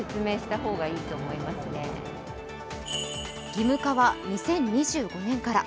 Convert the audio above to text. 義務化は２０２５年から。